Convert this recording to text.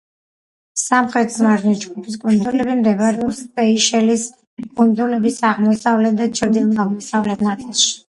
სამხრეთის მარჯნის ჯგუფის კუნძულები მდებარეობს სეიშელის კუნძულების აღმოსავლეთ და ჩრდილო-აღმოსავლეთ ნაწილში.